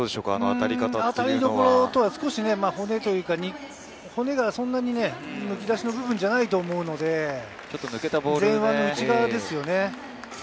当たりどころ、骨がそんなにむき出しの部分じゃないと思うので、前腕の内側ですよね。